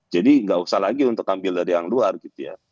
jadi nggak usah lagi untuk ambil dari yang luar gitu ya